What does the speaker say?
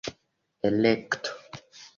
elekto